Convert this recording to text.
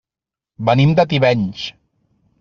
Venim de Tivenys.